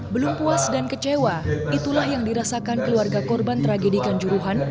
belum puas dan kecewa itulah yang dirasakan keluarga korban tragedi kanjuruhan